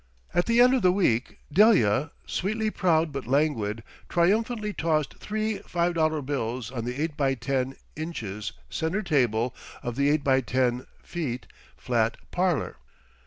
At the end of the week Delia, sweetly proud but languid, triumphantly tossed three five dollar bills on the 8×10 (inches) centre table of the 8×10 (feet) flat parlour.